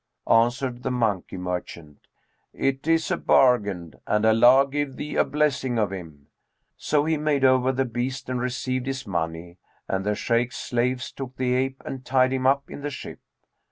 Answered the monkey merchant, 'It is a bargain; and Allah give thee a blessing of him!' So he made over the beast and received his money; and the Shaykh's slaves took the ape and tied him up in the ship.